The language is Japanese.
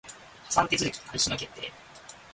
破産手続開始の決定